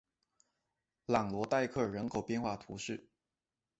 朗罗代克人口变化图示